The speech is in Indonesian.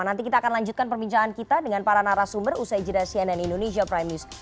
nanti kita akan lanjutkan perbincangan kita dengan para narasumber usai jeda cnn indonesia prime news